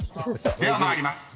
［では参ります］